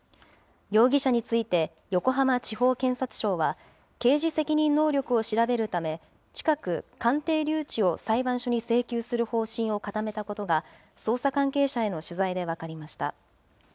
容疑者について、横浜地方検察庁は、刑事責任能力を調べるため、近く、鑑定留置を裁判所に請求する方針を固めたことが捜査関係者への取材で分かりました。